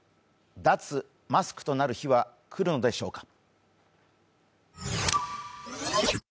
脱マスクとなる日は来るのでしょうか。